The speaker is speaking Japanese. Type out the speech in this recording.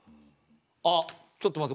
あっちょっと待って。